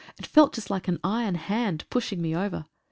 It felt just like an iron hand pushing me over.